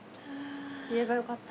言えばよかった。